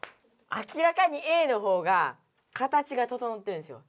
明らかにＡのほうが形がととのってるんですよ。